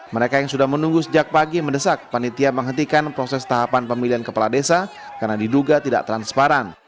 mereka yang sudah menunggu sejak pagi mendesak panitia menghentikan proses tahapan pemilihan kepala desa karena diduga tidak transparan